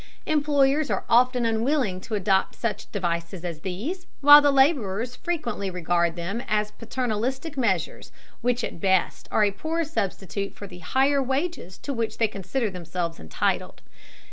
Employers are often unwilling to adopt such devices as these, while the laborers frequently regard them as paternalistic measures which at best are a poor substitute for the higher wages to which they consider themselves entitled.